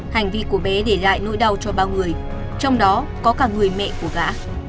hành vi của bé để lại nỗi đau cho bao người trong đó có cả người mẹ của gã